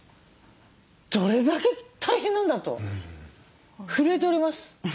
どれだけ大変なんだと震えております。